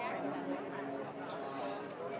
เมื่อเวลาอันดับสุดท้ายเมื่อเวลาอันดับสุดท้าย